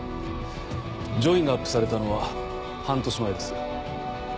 『ジョイン』がアップされたのは半年前です。